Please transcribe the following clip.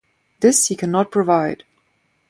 This he cannot provide.